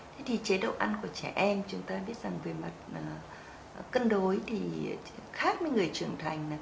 thế thì chế độ ăn của trẻ em chúng ta biết rằng về mặt cân đối thì khác với người trưởng thành